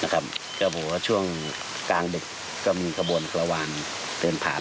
ก็บอกว่าช่วงกลางดึกก็มีกระบวนกระวานเดินผ่าน